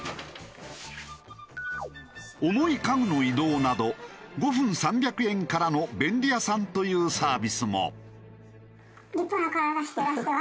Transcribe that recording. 重い家具の移動など５分３００円からの便利屋さんというサービスも。